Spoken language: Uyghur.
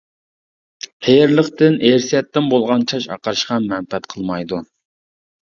قېرىلىقتىن، ئىرسىيەتتىن بولغان چاچ ئاقىرىشقا مەنپەئەت قىلمايدۇ.